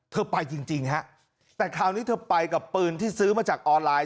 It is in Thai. เธอไปจริงฮะแต่คราวนี้เธอไปกับปืนที่ซื้อมาจากออนไลน์